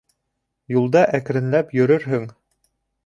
Юлда әкренләп йөрөрһөң.